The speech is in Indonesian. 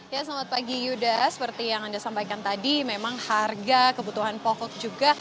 ya selamat pagi yuda seperti yang anda sampaikan tadi memang harga kebutuhan pokok juga